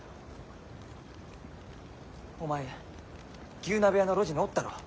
牛鍋屋の路地におったろう？